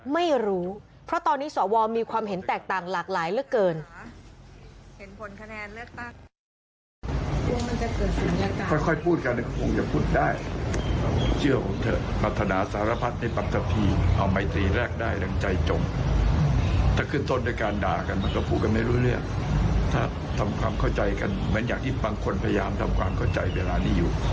ไม่รู้เพราะตอนนี้สวมีความเห็นแตกต่างหลากหลายเหลือเกิน